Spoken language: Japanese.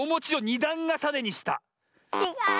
ちがう。